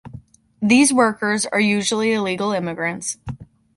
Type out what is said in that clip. These workers are usually illegal immigrants.